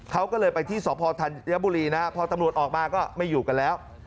เขาก็เลยไปที่สพธัญบุรีนะพอตำรวจออกมาก็ไม่อยู่กันแล้ว